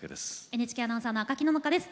ＮＨＫアナウンサーの赤木野々花です。